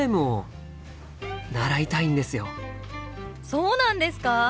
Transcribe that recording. そうなんですか？